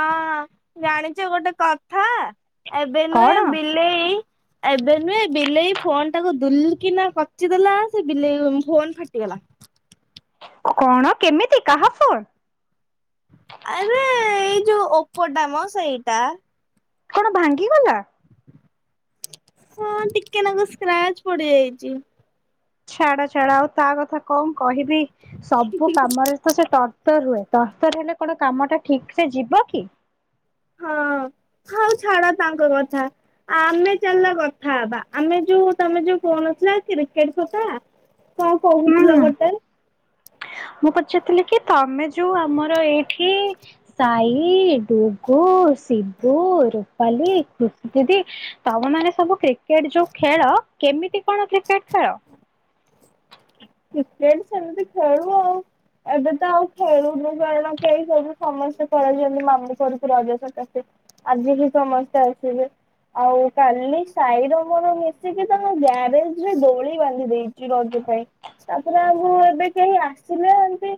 ହଁ ଜାଣିଛ ଗୋଟେ କଥା ଏବେ ନୁହେଁ କଣ ବିଲେଇ ଏବେ ନୁହେଁ ବିଲେଇ ଫୋନ ଟାକୁ ଦୁଲ କିିନା କଚି ଦେଲା ସେ ବିଲେଇ ଫୋନ ଫାଟିଗଲା। କଣ କେମିତି କାହା ଫୋର। ଆରେ ଏଇ ଯୋଉ ଓପୋ ଟା ମ ସେଇଟା। କଣ ଭାଙ୍ଗିଗଲା। ହଁ ଟିକେ ନାକୁ ସ୍କ୍ରାଚ ପଡି ଯାଇଚି। ଛାଡ ଛାଡ ଆଉ ତା କଥା ଙ୍କ କହିବି ସବୁ କାମରେ ତ ସେ ତରତର ହୁଏ। ତରତର ହେଲେ କଣ କାମ ଟା ଠିକ ସେ ଯିବ କି। ହଁ ହଉ ଛାଡ ତାଙ୍କ କଥା ଆମେ ଚାଲିଲ କଥା ହବା ଆମେ ଯୋଉ ତମେ ଯୋଉ କହୁନଥିଲ କ୍ରିକେଟ କଥା। କଣ ହୁଁ କହୁଥିଲ ଗୋଟେ। ପଚାରୁଥିଲେ କି ତମେ ଯୋଉ ଆମର ଏଇ। ଠି ସାଇ ଡୁ ଶିବୁ ରୁପାଲି ଖୁସି ଦିଦି ତମ ମାନେ ସବୁ କ୍ରିକେଟ ଯୋଉ ଖେଳ କେମିତି କଣ କ୍ରିକେଟ ଖେଳ। କ୍ରିକେଟ ସେମିତି ଖେଳୁ ଆଉ ଏବେ ତ ଆଉ ଖେଳୁନୁ କାରଣ କେହି ସବୁ ସମସ୍ତେ ପଳେଇଛନ୍ତି ମାମୁ ଘରକୁ ରଜ ସକାଶେ ଆଜି ହିଁ ସମସ୍ତେ ଆସିବେ ଆଉ କାଲି ସାଇର ମୋର ମିଶିକି ତାଙ୍କ ଗ୍ୟାରେଜ ରେ ଦୋଳି ବାନ୍ଧି ଦେଇ ରଜ ପାଇଁ। ତାପରେ ଆଉ ଏବେ କେହି ଆସିଲେ ଏମତି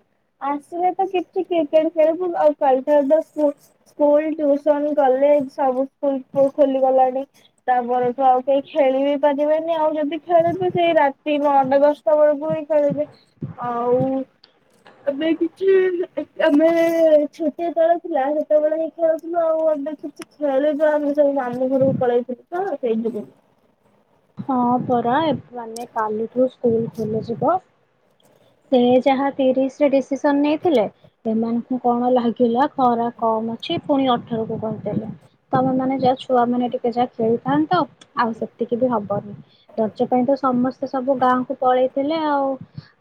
ଆସିଲେ ତ କିଛି କ୍ରିକେଟ ଖେଳିବୁ ଆଉ କାଲି ଠାରୁ ତ ସ୍କୁ ସ୍କୁଲ ଟ୍ୟୁସନ କଲେଜ ସବୁ ସ୍କୁଲ ଖୋଲିଗଲାଣି ତାପରଠୁ ଆଉ କେହି ଖେଳି ବି ପାରିବେନି ଆଉ ଯଦି ଖେଳିବୁ ସେଇ ରାତି ନଅ ଟା ଦ ସେତେବେଳକୁ ହିଁ ଖେଳିବି ଆଉ ଏବେ କିଛି ଆମେ ଛୋଟିଆ ତଳ ଥିଲା ସେତେବେଳେ ହିଁ ଖେଳୁଥିଲୁ ଆଉ ଏବେ କିଛି ଖେଳି ପାରୁନୁ ସବୁ ମାମୁଁ ଘରକୁ ପଳେଇଥିଲୁ ତ ସେଇ ଯୋଗୁ। ହଁ ପରା ଏ ମାନେ କାଲିଠୁ ସ୍କୁଲ। ଖୋଲି ଯିବ ସେ ଯାହା ତିରିଶ ରେ ଡିସିସନ ନେଇଥିଲେ ଏମାନଙ୍କୁ କଣ ଲାଗିଲା ଖରା କମ ଅଛି ପୁଣି ଅଠର କୁ କରିଦେଲେ ତମେ ମାନେ ଯାହା ଛୁଆ ମାନେ ଟିକେ ଯାହା ଖେଳୁଥାନ୍ତ। ଆଉ ସେତିକି ବି ହ ରଜ ପାଇଁ ତ ସମସ୍ତେ ସବୁ ଗାଁ କୁ ପଳେଇଥିଲେ ଆଉ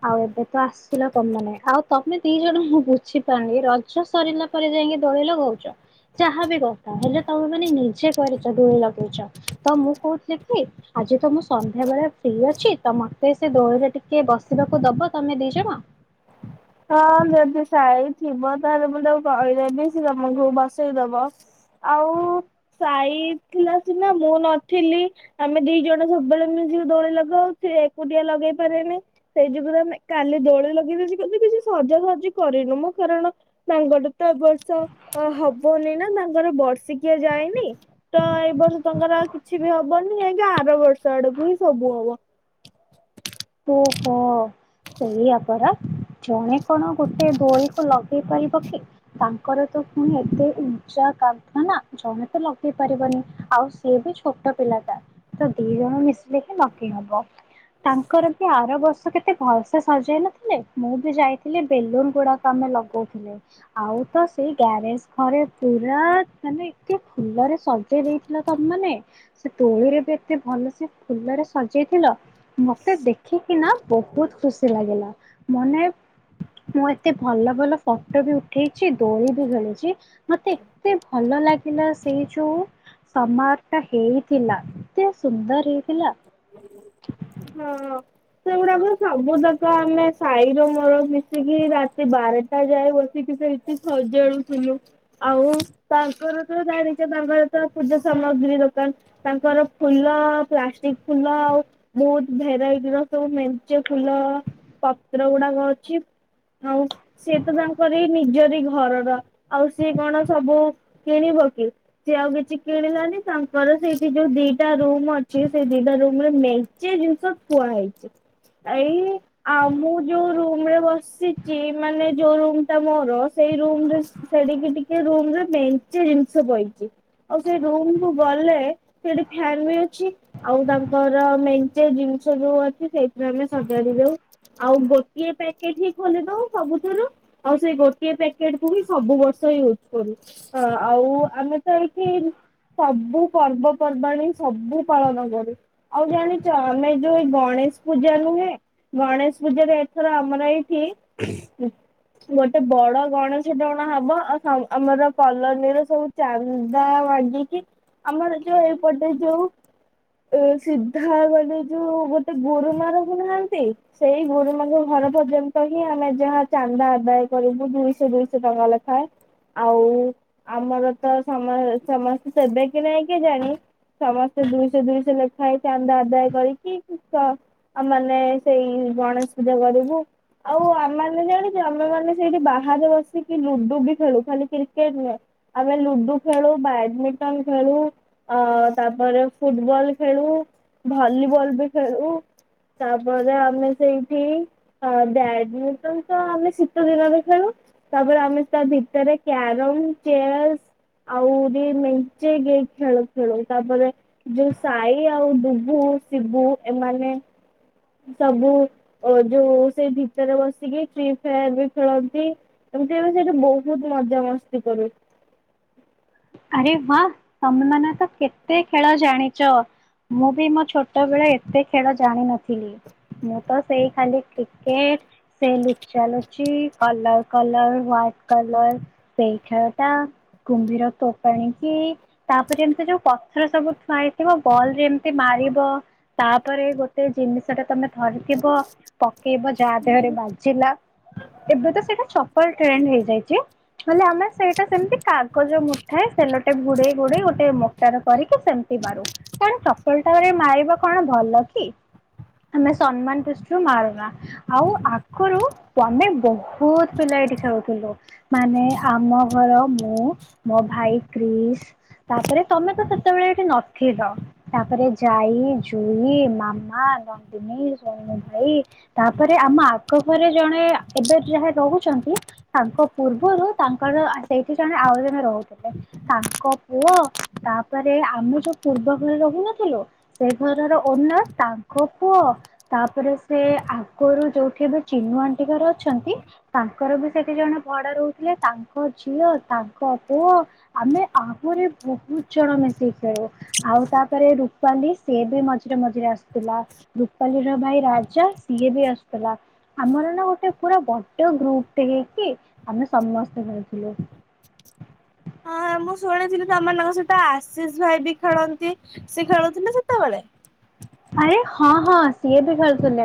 ଆଉ ଏବେ ତ ଆସିଲ ତମ ମାନେ ଆଉ ତମେ ଦି ଜଣ ମୁଁ ବୁଝିପାରନି ରଜ ସରିଲା ପରେ ଯାଇକି ଦୋଳି ଲଗଉଚ ଯାହାବି କଥା ହେଲେ ତମେ ମାନେ ନିଜେ କରିଛ ଦୋଳି ଲଗେଇଛ ତ ମୁଁ କହୁଥିଲି କି। ଆଜି ତ ମୁଁ ସନ୍ଧ୍ୟାବେଳେ ଫ୍ରି ଅଛି ତ ମୋତେ ସେ ଦୋଳିରେ ଟିକେ ବସିବାକୁ ଦବ ତମେ ଦି ଜଣ। ହଁ ଯଦି ସାଇ ଥିବ ତାହେଲେ ମୁଁ ତାକୁ କହିଦେବି ସିଏ ତମକୁ ବସେଇଦବ ଆଉ ସାଇ ଥିଲା ସିନା ମୁଁ ନଥିଲି ଆମେ ଦି ଜଣ ସବୁବେଳେ ମିଶିକ ଦୋଳି ଲଗାଉ ସେ ଏକୁଟିଆ ଲଗେଇ ପାରେନି ସେଇ ଯୁଗୁରେ ଆମେ କାଲି ଦୋଳି ଲଗେଇଦ ଏବେ କିଛି ସଜାସଜି କରିନୁ ମୁଁ କାରଣ ତାଙ୍କର ତ ଏ ବର୍ଷ ହବନି ନା ତାଙ୍କର ବର୍ଷିକିଆ ଯାଇନି ତ ଏ ବର୍ଷ ତାଙ୍କର ଆଉ କିଛି ବି ହବନି ଯାଇଁକି ଆର ବର୍ଷ ଆଡକୁ ହିଁ ସବୁ ହବ। ଓହୋ ସେଇଆପରା ଜଣେ କଣ ଗୋଟେ ଦୋଳିକୁ ଲଗେଇ ପାରିବ କି ତାଙ୍କର ତ ପୁଣି ଏତେ ଉଞ୍ଚା କାନ୍ଥ ନା ଜଣେ ତ ଲଗେଇ ପାରିବନି ଆଉ ସିଏ ବି ଛୋଟ ପିଲାଟା ତ ଦି ଜଣ ମିଶ ଲଗେଇ ହବ ତା ସେ ଆର ବର୍ଷ କେତେ ଭଲସେ ସଜେଇ ନଥିଲେ ମୁଁ ବି ଯାଇଥିଲି ବେଲୁନ ଗୁଡାକ ଆମେ ଲଗଉଥିଲେ ଆଉ ତ ସେଇ ଗ୍ୟାରେଜ ଘରେ ପୁରା ମାନେ ଏତେ ଫୁଲରେ ସଜେଇ ଦେଇଥିଲ ତମ ମାନେ ସେ ଦୋଳିରେ ବି ଏତେ ଭଲ ସେ ଫୁଲରେ ସଜେଇଥିଲ ମ ତେ ଦେଖିକିନା ବହୁତ ଖୁସି ଲାଗିଲା ମାନେ ମୁଁ ଏତେ ଭଲ ଭଲ ଫଟୋ ବି ଉଠେଇଛି ଦୋଳି ବି ଖେଳିଛି ମତେ ଏତେ ଭଲ ଲାଗିଲା ସେଇ ଯୋଉ ସମାର ଟା ହେଇଥିଲା ଏତେ ସୁନ୍ଦର ହେଇଥିଲା। ହଁ। ସେଗୁଡାକ ସବୁ ଯାକ ଆମେ ସାଇର ମୋର ମି ସି କିି ରାତି ବାର ଟା ଯାଏ ବସିକି ସେଇଠି ସଜାଡୁଥିଲୁ ଆଉ ତାଙ୍କର ତ ଜାଣିଛ ତାଙ୍କର ତ ପୂଜା ସାମଗ୍ରୀ ଦୋକାନ ତାଙ୍କର ଫୁଲ ପ୍ଲାଷ୍ଟିକ ଫୁଲ ଆଉ। ବହୁତ ଭେରାଇଟିର ସବୁ ମେଞ୍ଚେ ଫୁଲ ପତ୍ର ଗୁଡାକ ଅଛି ଆଉ ସିଏ ତ ତାଙ୍କର ନିଜରି ଘରର ଆଉ ସିଏ କଣ ସବୁ କିଣିବ କି ସିଏ ଆଉ କିଛି କିଣିଲାନି ତାଙ୍କର ସେଇଠି ଯୋଉ ଦିଟା ରୁମ୍ ଅଛି ସେ ଦିଟା ରୁମରେ ମେ ଜିନିଷ ଥୁଆ ହେଇଛି ଏ ଆ ମୁଁ ଯୋଉ ରୁମ ରେ ବସିଛି ମାନେ ଯୋଉ ରୁମ ଟା ମୋର ସେଇ ରୁମରେ ସେଡିକି ଟିକେ ରୁମରେ ମେଞ୍ଚେ ଜିନିଷ ପଇଚି। ଆଉ ସେ ରୁମ କୁ ଗଲେ ସେଠି ଫ୍ୟାନ ବି ଅଛି ଆଉ ତାଙ୍କର ମେ ଚେ ଜିନିଷ ଯୋଉ ଅଛି ସେଇଥିରେ ଆମେ ସଜାଡି ଦଉ ଆଉ ଗୋଟିଏ ପ୍ୟାକେଟ ହିଁ ଖୋଲି ଦଉ ସବୁଥିରୁ ଆଉ ସେଇ ଗୋଟିଏ ପ୍ୟାକେଟ କୁ ହି ସବୁ ବର୍ଷ ୟୁଜ କରୁ ଆ ଆଉ ଆମେ ତ ଏଇଠି ସବୁ ପର୍ବପର୍ବାଣି ସବୁ ପାଳନ କରୁ ଆଉ ଜାଣି ଚ ଆମେ ଯୋଉ ଏଇ ଗଣେଶ ପୂଜା ନୁହେଁ ଗଣେଶ ପୂଜା ରେ ଏଥର ଆମର ଏଇଠି ଗୋଟେ ବଡ ଗଣେଶ ଟେ ଅଣା ହବ ଆଉ ଆମର କଲୋନୀର ସବୁ ଚାନ୍ଦା ମାଗିକି ଆମର ଯୋଉ ଏଇପଟେ ଯୋଉ ସିଧା। ଧା ଗଲେ ଯଉ ଗୋଟେ ଗୁରୁମା ନାହାନ୍ତି ସେଇ ଗୁରୁମାଙ୍କ ଘର ପର୍ଯ୍ୟନ୍ତ ହିଁ ଆମେ ଯାହା ଚାନ୍ଦା ଆଦାୟ କରିବୁ ଦୁଇଶହ ଦୁଇଶହ ଟଙ୍କା ଲେଖାଏ ଆଉ ଆମର ତ ସମ ସମସ୍ତେ ଦେବେ କି ନାଇଁ କି ଜାଣି ସମସ୍ତେ ଦୁଇଶହ ଦୁଇଶହ ଲେଖାଏ। ଚାନ୍ଦା ଆଦାୟ କରିକି ତ ଆ ମାନେ ସେଇ ଗଣେଶ ପୂଜା କରିବୁ ଆଉ ଆମ ମାନେ ଜାଣିଛୁ ଆମେ ମାନେ ସେଇଠି ବାହାରେ ବସିକି ଲୁଡୁ ବି ଖେଳୁ ଖାଲି କ୍ରିକେଟ ନୁହେଁ ଆମେ ଲୁଡୁ ଖେଳୁ ବ୍ୟାଡମିଣ୍ଟନ ଖେଳୁ ଅ ତାପରେ ଫୁଟବଲ ଖେଳୁ। ଭଲିବଲ ବି ଖେଳୁ ତାପରେ ଆମେ ସେଇଠି ବ୍ୟାଡମିଣ୍ଟନ ତ ଆମେ ଶୀତ ଦିନରେ ଖେଳୁ ତାପରେ ଆମେ ତା ଭିତରେ କ୍ୟାରମ ଚେସ୍ ଆହୁରି ମେଞ୍ଚେ ଗେ ଖେଳୁ ଖେଳୁ ତାପରେ ଯୋଉ ସାହି ଆଉ ଡୁବୁ ଶିବୁ ଏମାନେ ସବୁ ଅ ଯୋଉ ସେଇ ଭିତରେ ବସିକି ଫ୍ରି ଫାୟାର ବି ଖେଳନ୍ତି ଏମିତି ଆମେ ସେଇଠି ବହୁତ ମଜାାମସ୍ତି କରୁ। ହଁ ତମେ ମାନେ ତ କେତେ ଖେଳ ଜାଣିଛ ମୁଁ ବି ମୋ ଛୋଟ ବେଳେ ଏତେ ଖେଳ ଜାଣିିନଥିଲି ମୁଁ ତ ସେଇ ଖାଲି କ୍ରିକେଟ ସେ ଲୁଚା ଲୁଚି କଲର କଲର ହ୍ଵାଇଟ କଲର ସେଇ ଖେଳ ଟା କୁମ୍ଭୀର ତୋ ପାଣିକି ତାପରେ ଏମିତି ଯୋଉ ପଥର ସବୁ ଥୁଆ ହେଇଥିବ ବଲ ରେ ଏମିତି ମାରିବ ତାପରେ ଗୋଟେ ଜିନିଷ ଟା ତମେ ଧରିଥିବ ପକେଇବ ଯାହା ଦେହରେ ବାଜିଲା ଏବେ ତ ସେଇଟା ଚପଲ ଟ୍ରେଣ୍ଡ ହେଇ ଯାଇଛି। ହେଲେ ଆମେ ସେଇଟା ସେମିତି କାଗଜ ମୁ ଥାଏ ସେଲୋ ଟେପ୍ ଗୁଡେଇ ଗୁଡେଇ ଗୋଟେ ମୋଟାର କରିକି ସେମିତି ମାରୁ। ଜାଣିଚ? [unintelligible] ମାରିବା କଣ ଭଲ କି? ଆମେ ସମ୍ମାନ ଦୃଷ୍ଟି ରୁ ମାରୁନା ଆଉ ଆଗରୁ ଆମେ ବହୁତ ପିଲା ଏଠି ଖେଳୁଥିଲୁ ମାନେ ଆମ ଘର ମୁଁ ମୋ ଭାଇ କ୍ରିସ୍ ତାପରେ ତମେ ତ ସେତେବେଳେ ଏଠି ନଥିଲ ତାପରେ ଯାଇ ଜୁଇ ମାମା ନନ୍ଦିନୀ ସୋନୁ ଭାଇ ତାପରେ ଆମ ଆଗ ଘରେ ଜଣେ ଏବେ ଯାହା ରହୁଛନ୍ତି ତାଙ୍କ ପୂର୍ବରୁ ତାଙ୍କର ସେଇଠି ଜଣେ ଆଉ ଜଣେ ରହୁ ତାଙ୍କ ପୁଅ ତାପରେ ଆମେ ଯୋଉ ପୂର୍ବ ଘରେ ରହୁନଥିଲୁ ସେ ଘରର ଓନର ତାଙ୍କ ପୁଅ ତାପରେ ସେ ଆଗରୁ ଯୋଉଠି ଏବେ ଚିନୁ ଆଣ୍ଟି ଘର ଅଛନ୍ତି ତାଙ୍କର ବି ସେଠି ଜଣେ ଭଡା ରହୁଥିଲେ ତାଙ୍କ ଝିଅ ତାଙ୍କ ପୁଅ ଆମେ ଆହୁରି ବହୁତ ଜଣ ମିଶିକି ଖେଳୁ ଆଉ ତାପରେ ରୁପାଲି ସିଏ ବି ମଝିରେ ମଝିରେ ଆସୁଥିଲା ରୁପାଲି ର ଭାଇ ରାଜା ସିଏ ବି ଆସୁଥିଲା ଆମର ନା ଗୋଟେ ପୁରା ବଡ ଗ୍ରୁପ ଟେ ହେଇକି ଆମେ ସମସ୍ତେ ମିଲୁଥିଲୁ। ହଁ ମୁଁ ଶୁଣିଥିଲି ତମ ମାନଙ୍କ ସହିତ ଆଶିଷ ଭାଇ ବି ଖେଳନ୍ତି ସେ ଖେଳୁଥିଲେ ସେତେବେଳେ? ଆରେ ହଁ ହଁ ସିଏ ବି ଖେଳୁଥିଲେ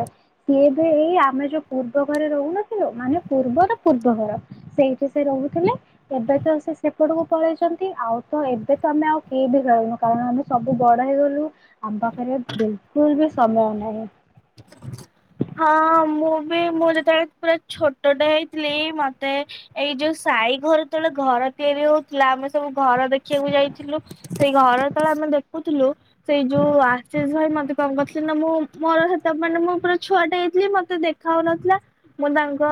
ସିଏ ବି ଏଇ ଆମେ ଯୋଉ ପୂର୍ବ ଘରେ ରହୁନଥିଲୁ ମାନେ ପୂର୍ବ ର ପୂର୍ବ ଘର ସେଇଠି ସେ ରହୁଥିଲେ ଏବେ ତ ସେ ସେପଟକୁ ପଳେଇଛନ୍ତି ଆଉ ତ ଏବେ ତ ଆମେ ଆଉ କିଏ ବି ଖେଳୁନୁ କାରଣ ଆମେ ସବୁ ବଡ ହେଇଗଲୁ ଆମ ପାଖରେ ବିଲକୁଲ ବି ସମୟ ନାହିଁ। ହଁ ମୁଁ ବି ମୁଁ ଯେତେବେଳେ ପୁରା ଛୋଟଟେ ହେଇଥିଲି ମତେ ଏଇ ଯୋଉ ସାଇ ଘର ତଳେ ଘର ତିଆରି ହଉଥିଲା ଆମେ ସବୁ ଘର ଦେଖିବାକୁ ଯାଇଥିଲୁ ସେଇ ଘର ତଳେ ଆମେ ଦେଖୁଥିଲୁ ସେଇ ଯୋଉ ଆଶିଷ ଭାଇ ମତେ କଣ କରିଥିଲେ ନା ମୁଁ ମୋର ସେତ ମାନେ ମୁଁ ପୁରା ଛୁଆଟେ ହେଇଥିଲି ମତେ ଦେଖା ହଉନଥିଲା ମୁଁ ତାଙ୍କ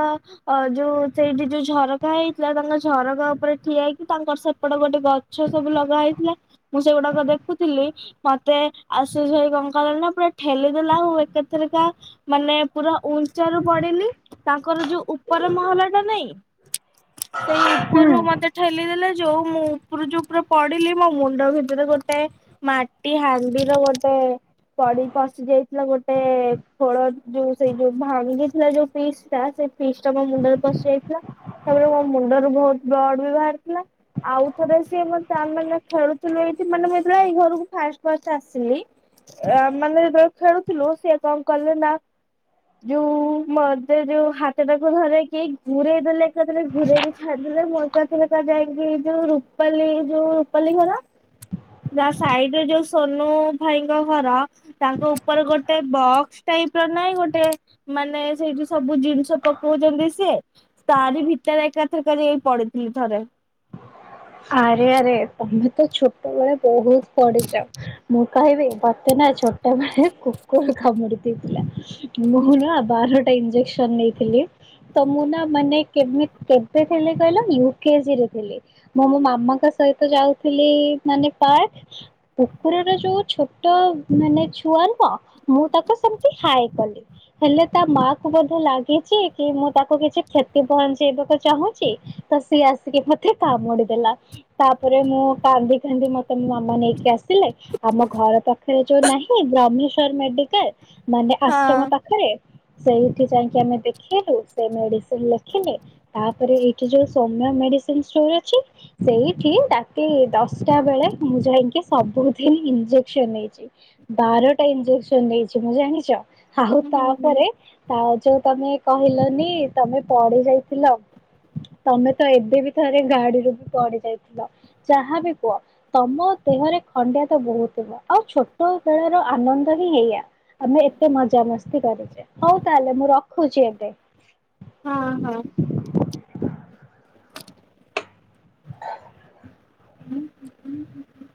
ଅ ଯୋଉ ସେଇଠି ଯୋଉ ଝରକା ହେଇଥିଲା ତାଙ୍କ ଝରକା ଉପରେ ଠିଆ ହେଇକି ତାଙ୍କର ସେପଟ ଗୋଟେ ଗଛ ସବୁ ଲଗା ହେଇଥିଲା ମୁଁ ସେଗୁଡାକ ଦେଖୁଥିଲି ମତେ ଆଶିସ ଭାଇ କଣ କଲେ ନା ପୁରା ଠେଲିଦଲା ଆଉ ଏକାଥରକା ମାନେ ପୁରା ଉଁଚା ରୁ ପଡିଲି ତାଙ୍କର ଯୋଉ ଉପର ମହଲା ଟା ନାଇଁ ସେଇ ଉପରୁ ମତେ ଠେଲି ଦେଲେ ଯୋଉ ମୁଁ ଉପରୁ ଯୋଉ ପୁରା ପଡିଲି ମୋ ମୁଣ୍ଡ ଭିତରେ ଗୋଟେ ମାଟି ହାଣ୍ଡିର ଗୋଟେ ପଡି ପଶି ଯାଇଥିଲା ଗୋଟେ ଖୋଳ ଯୋଉ ସେଇ ଯୋଉ ଭାଙ୍ଗିଥିଲା ଯୋଉ ପିସ୍ ଟା ସେଇ ପିସ୍ ଟା ମୋ ମୁଣ୍ଡରେ ପଶି ଯାଇଥିଲା ତାପରେ ମୋ ମୁଣ୍ଡରୁ ବହୁତ ବ୍ଲଡ଼ ବି ବାହାରିଥିଲା ଆଉ ଥରେ ସିଏ ମୋତେ ତା ମାନେ ଖେଳୁଥିଲୁ ଏଇଠି ମାନେ ମୁଁ ଯେତେବେଳେ ଏଇ ଘରକୁ ଫାଷ୍ଟ ଫାଷ୍ଟ ଆସିଲି ଅ ମାନେ ଯେତେବେଳେ ଖେଳୁଥିଲୁ ସିଏ କଣ କଲେ ନା ଯୋଉ ମତେ ଯୋଉ ହାତଟାକୁ ଧରକି ଘୁରେଇ ଦେଲେ ଏକାଥରକେ ଘୁରେଇକି ଛାଡଦେଲେ ମୁଁ ଏକାଥରକେ ଯାଇକି ଯୋଉ ରୁପାଲି ଯୋଉ ରୁପାଲି ଘର ଯା ସାଇଡ ରେ ଯୋଉ ସୋନୁ ଭାଇଙ୍କ ଘର ତାଙ୍କ ଉପରେ ଗୋଟେ ବକ୍ସ ଟାଇପ ନାଇଁ ଗୋଟେ ମାନେ ସେଇଠି ସବୁ ଜିନିଷ ପକଉଛନ୍ତି ସିଏ ତାରି ଭିତରେ ଏକାଥରକାର ପଡିଥିଲି ଥରେ। ଆରେ ଆରେ ତମେ ତ ଛୋଟବେଳେ ବହୁତ ପଡିଚ ମୁଁ କହିବି ମତେ ନା ଛୋଟବେଳେ କୁକୁର କାମୁଡି ଦେଇଥିଲା ମୁଁ ନା ବାରଟା ଇଞ୍ଜେକ୍ସନ ନେଇଥିଲି ତ ମୁଁ ନା ମାନେ କେମି କେବେ ଥିଲି କହିଲ ୟୁକେଜିରେ ଥିଲି ମୁଁ ମୋ ମାମାଙ୍କ ସହିତ ଯାଉଥିଲି ମାନେ ପାର୍କ କୁକୁରର ଯୋଉ ଛୋଟ ମାନେ ଛୁଆ ନୁହଁ ମୁଁ ତାକୁ ସେମତି ହାଏ କଲି ହେଲେ ତା ମା କୁ ବୋଧେ ଲାଗିଛି କି ମୁଁ ତାକୁ କିଛି କ୍ଷତି ପହଞ୍ଚେଇବାକୁ ଚାହୁଁଛି ତ ସିଏ ଆସିକି କାମୁଡିଦେଲା ତାପରେ ମୁଁ କାନ୍ଦି କାନ୍ଦି ମତେ ମୋ ମାମା ନେଇକି ଆସିଲେ ଆମ ଘର ପାଖରେ ଯୋଉ ନାହିଁ ବ୍ରହ୍ମେଶ୍ଵର ମେଡିକାଲ ମାନେ ଆଶ୍ରମ ହଁ ପାଖରେ ସେଇଠି ଯାଇକି ଆମେ ଦେଖେଇଲୁ ସେ ମେଡି ସେ ଲେଖିଲେ ତାପରେ ଏଇଠି ଯୋଉ ସୌମ୍ୟା ମେଡି ମେଡିସିନ ଷ୍ଟୋର ଅଛି ସେଇଠି ରାତି ଦଶଟା ବେଳେ ମୁଁ ଯାଇକି ସବୁଦିନ ଇଞ୍ଜେକସନ ନେଇଛି ବାରଟା ଇଞ୍ଜେକସନ ନେଇଚି ମୁଁ ଜାଣିଛ? ଆଉ ହୁଁ ତାପରେ ଆଉ ଯୋଉ ତମେ କହିଲନି ତମେ ପଡି ଯାଇଥିଲ ତମେ ତ ଏବେ ବି ଥରେ ଗାଡିରୁ ବି ପଡି ଯାଇଥିଲ ଯାହା ବି କୁହ ତମ ଦେହରେ ଖଣ୍ଡିଆ ତ ବହୁତ ଥିଲା ଆଉ ଛୋଟ ବେଳର ଆନନ୍ଦ ହିଁ ଏଇଆ ଆମେ ଏତେ ମଜାମସ୍ତି କରିଛେ ହଉ ତାହେଲେ ମୁଁ ରଖୁଛି ଏବେ। ହଁ ହଁ। ହୁଁ ହୁଁ।